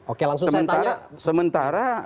oke langsung saya tanya sementara